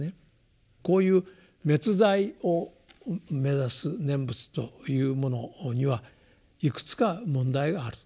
こういう滅罪を目指す念仏というものにはいくつか問題がある。